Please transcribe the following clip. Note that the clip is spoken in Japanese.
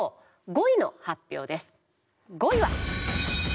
５位は。